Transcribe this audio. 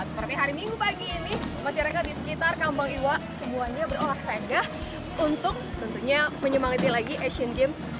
seperti hari minggu pagi ini masyarakat di sekitar kampung iwa semuanya berolahraga untuk tentunya menyemangati lagi asian games